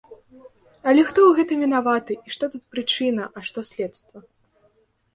Але хто ў гэтым вінаваты, і што тут прычына, а што следства?